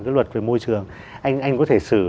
cái luật về môi trường anh có thể sử